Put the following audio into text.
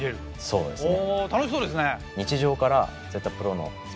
そうですね。